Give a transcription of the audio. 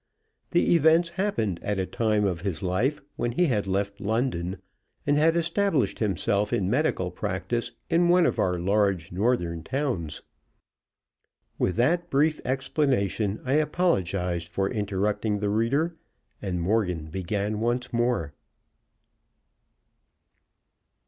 The events happened at a time of his life when he had left London, and had established himself in medical practice in one of our large northern towns." With that brief explanation, I apologized for interrupting the reader, and Morgan began once more.